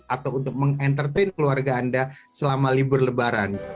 atau untuk mengembangkan keluarga anda selama libur lebaran